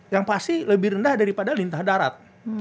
yang pasti lebih rendah daripada lintah darat